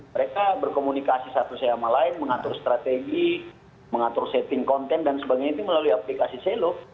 mereka berkomunikasi satu sama lain mengatur strategi mengatur setting konten dan sebagainya itu melalui aplikasi selo